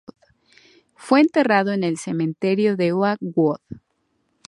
Fue enterrado en el Cementerio de Oakwood.